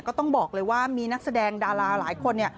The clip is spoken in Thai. ก็ต้องบอกเลยว่ามีนักแสดงดาราหลายคนเนี่ย